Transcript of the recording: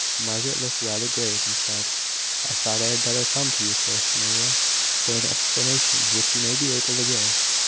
Margaret looked rather grave, and said "I thought I had better come to you first, Maria, for an explanation which you may be able to give.